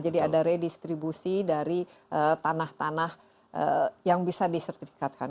jadi ada redistribusi dari tanah tanah yang bisa disertifikatkan